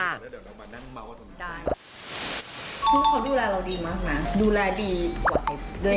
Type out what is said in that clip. คุณเขาดูแลเราดีมากนะดูแลดีกว่าเซ็ต